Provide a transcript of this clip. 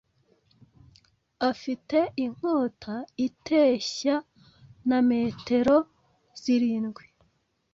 Afite inkota iteshya na metero zirindwi